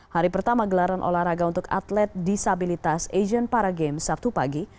hari pertama gelaran olahraga untuk atlet disabilitas asian para games sabtu pagi